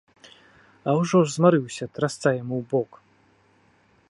А ўжо ж замарыўся, трасца яму ў бок!